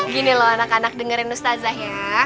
gini loh anak anak dengerin mustazah ya